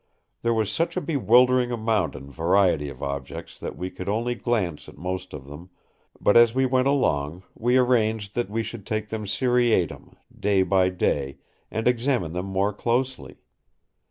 There was such a bewildering amount and variety of objects that we could only glance at most of them; but as we went along we arranged that we should take them seriatim, day by day, and examine them more closely.